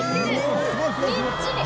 「みっちり！」